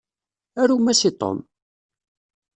Arum-as i Tom!